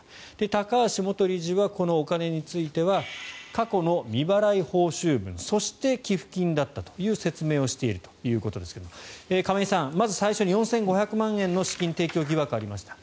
高橋元理事はこのお金については過去の未払い報酬分そして寄付金だったという説明をしているわけですが亀井さん、まず最初に４５００万円の資金提供疑惑がありました。